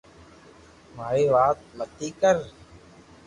ماري وات متي ڪر